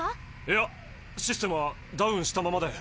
いやシステムはダウンしたままで。